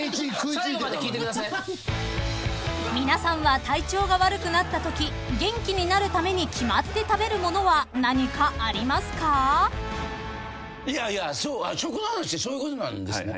［皆さんは体調が悪くなったとき元気になるために決まって食べるものは何かありますか？］食の話ってそういうことなんですね。